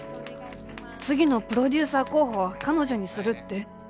次のプロデューサー候補は彼女にするって。